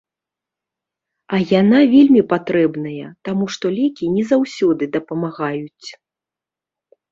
А яна вельмі патрэбная, таму што лекі не заўсёды дапамагаюць.